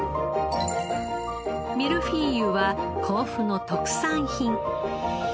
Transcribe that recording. ミルフィーユは甲府の特産品。